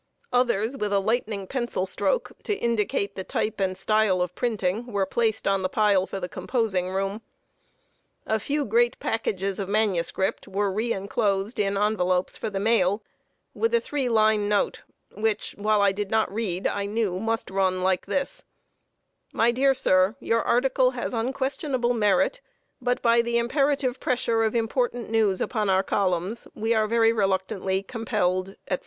Others, with a lightning pencil stroke, to indicate the type and style of printing, were placed on the pile for the composing room. A few great packages of manuscript were re enclosed in envelopes for the mail, with a three line note, which, while I did not read, I knew must run like this: "MY DEAR SIR Your article has unquestionable merit; but by the imperative pressure of important news upon our columns, we are very reluctantly compelled," etc.